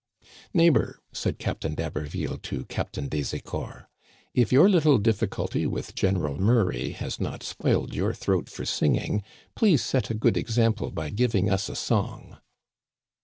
" Neighbor," said Captain d'Haberville to Captain des Ecors, " if your little difficulty with General Murray has not spoiled your throat for singing, please set a good example by giving us a song."